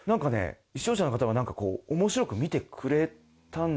視聴者の方がなんかこう面白く見てくれたんですよ。